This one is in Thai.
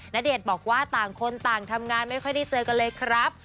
ณเดชน์บอกว่าต่างคนต่างทำงานไม่ค่อยได้เจอกันเลยครับ